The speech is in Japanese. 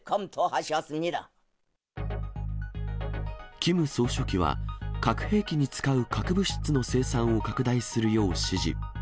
キム総書記は、核兵器に使う核物質の生産を拡大するよう指示。